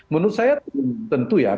menurut saya tentu ya